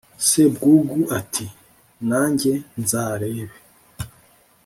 Sebwugugu ati: "Na njye nzarebe"